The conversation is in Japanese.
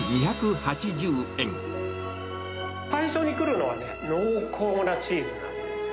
最初に来るのはね、濃厚なチーズなんですよ。